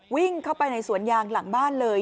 วิ่งเข้าไปในสวนยางหลังบ้านเลย